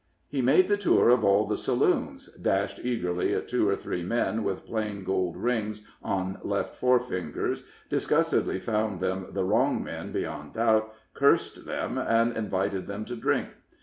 He made the tour of all the saloons, dashed eagerly at two or three men, with plain gold rings on left fore fingers, disgustedly found them the wrong men beyond doubt, cursed them, and invited them to drink.